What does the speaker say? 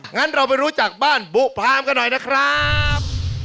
งั้นเราไปรู้จักบ้านบุพรามกันหน่อยนะครับ